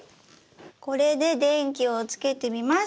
これで電気をつけてみます！